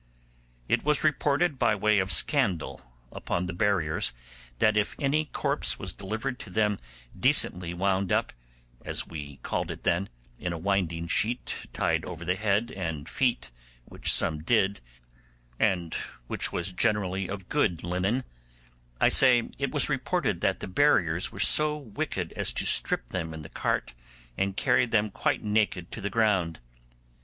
It was reported by way of scandal upon the buriers, that if any corpse was delivered to them decently wound up, as we called it then, in a winding sheet tied over the head and feet, which some did, and which was generally of good linen; I say, it was reported that the buriers were so wicked as to strip them in the cart and carry them quite naked to the ground.